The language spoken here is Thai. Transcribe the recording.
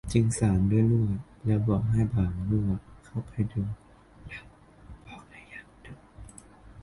จึงสานด้วยลวด แล้วบอกให้บ่างลั่วเข้าไปดูแล้วบอกให้ยันดู